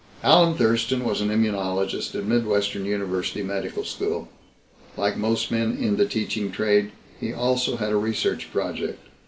"Alan Thurston was an immunologist at Midwestern University Medical School. Like most men in the teaching trade, he also had a research project.